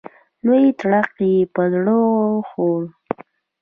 لوی تړک یې په زړه وخوړ.